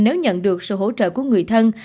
nếu nhận được sự hỗ trợ của người thân